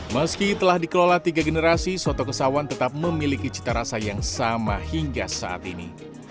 meski telah dikelola tiga generasi soto kesawan tetap memiliki cita rasa yang sama hingga saat ini